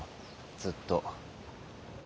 ずっと。